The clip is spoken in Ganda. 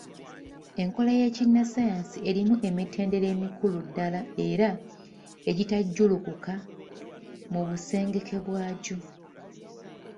Enkola y’ekinnassaayansi erimu emitendera emikulu ddala era, egitajjulukuka mu busengeke bwagyo.